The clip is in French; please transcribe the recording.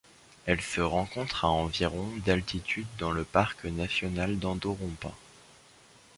Elle se rencontre à environ d'altitude dans le parc national d'Endau-Rompin.